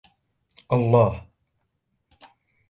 الله